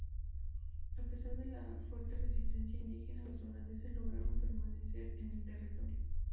A pesar de la fuerte resistencia indígena los holandeses lograron permanecer en el territorio.